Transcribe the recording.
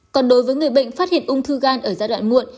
còn đối với người bệnh phát hiện ung thư gan ở giai đoạn muộn